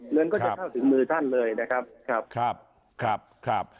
เรื่องก็จะเข้าถึงมือท่านเลยนะครับ